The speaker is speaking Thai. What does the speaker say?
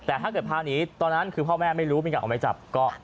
แต่ถ้าเกิดพาหนีตอนนั้นคือพ่อแม่ไม่รู้มีการออกไม้จับก็